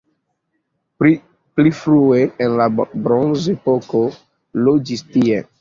Pli frue en la bronzepoko loĝis tie.